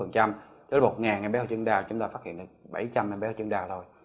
cho đến một em bé hội chứng đau chúng ta phát hiện được bảy trăm linh em bé hội chứng đau thôi